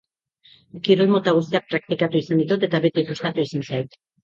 Kirol mota guztiak praktikatu izan ditut eta beti gustatu izan zait.